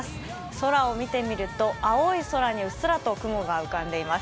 空を見てみると青い空にうっすらと雲が浮かんでおります。